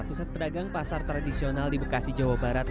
pusat pedagang pasar tradisional di bekasi jawa barat